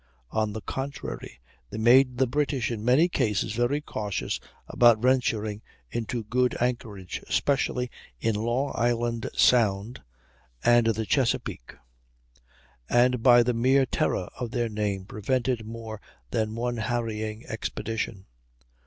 On the contrary, they made the British in many cases very cautious about venturing into good anchorage (especially in Long Island Sound and the Chesapeake), and by the mere terror of their name prevented more than one harrying expedition.